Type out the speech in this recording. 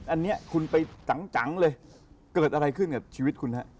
อันนี้คุณไปจังเลยเกิดอะไรขึ้นกับชีวิตคุณฮะ